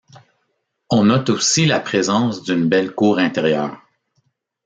On note aussi la présence d'une belle cour intérieure.